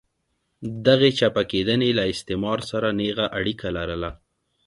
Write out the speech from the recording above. دغې چپه کېدنې له استعمار سره نېغه اړیکه لرله.